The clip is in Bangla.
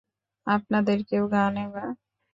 আপনাদের কেউ গান এবার।